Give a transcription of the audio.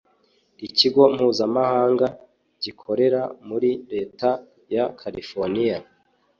ikigo mpuzamahanga gikorera muri leta ya califoniya